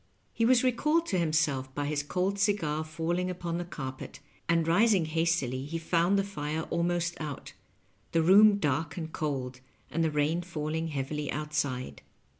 He was recalled to himseK by his cold cigar falling upon the carpet, and rising hastily he found the fire al most out, the room dark and cold, and the rain falling heavily outside.